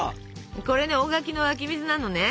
これね大垣の湧き水なのね。